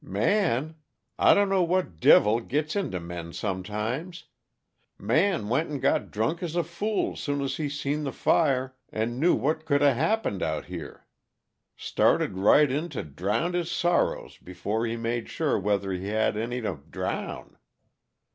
"Man! I dunno what devil gits into men sometimes. Man went and got drunk as a fool soon as he seen the fire and knew what coulda happened out here. Started right in to drownd his sorrows before he made sure whether he had any to drown!